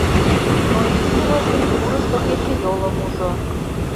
Но изи рож гыч пурышо кечыйолым ужо.